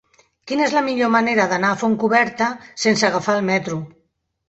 Quina és la millor manera d'anar a Fontcoberta sense agafar el metro?